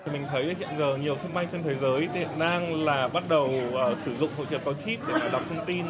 mình thấy hiện giờ nhiều xung quanh trên thế giới hiện đang là bắt đầu sử dụng hộ chiếu gắn chip để đọc thông tin